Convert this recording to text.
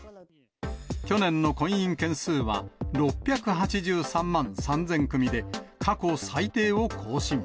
去年の婚姻件数は６８３万３０００組で、過去最低を更新。